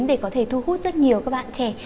để có thể thu hút rất nhiều các bạn trẻ